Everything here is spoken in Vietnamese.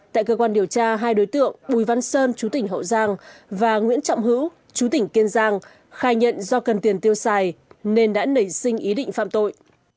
tại cơ quan điều tra hai đối tượng bùi văn sơn chú tỉnh hậu giang và nguyễn trọng hữu chú tỉnh kiên giang khai nhận do cần tiền tiêu xài nên đã nảy sinh ý định phạm tội